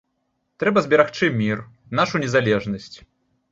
Трэба зберагчы мір, нашу незалежнасць.